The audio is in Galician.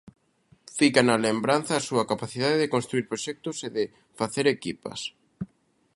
Fica na lembranza a súa capacidade de construír proxectos e de facer equipas.